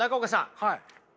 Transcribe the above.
はい。